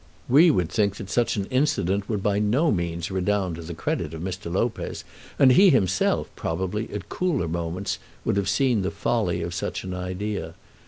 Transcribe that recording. We would think that such an incident would by no means redound to the credit of Mr. Lopez. And he himself, probably, at cooler moments, would have seen the folly of such an idea.